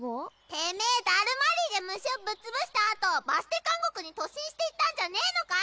てめぇダルマリーで虫をぶっ潰したあとバステ監獄に突進していったんじゃねぇのか？